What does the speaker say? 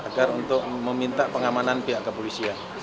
agar untuk meminta pengamanan pihak kepolisian